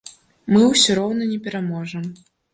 Мы ўсё роўна не пераможам.